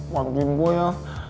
pantuin gue ya